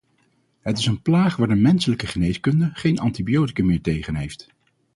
Het is een plaag waar de menselijke geneeskunde geen antibioticum meer tegen heeft.